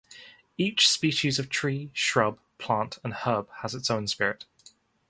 Each species of tree, shrub, plant, and herb has its own spirit.